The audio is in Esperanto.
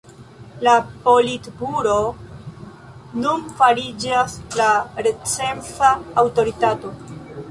La Politburoo nun fariĝas la recenza aŭtoritato.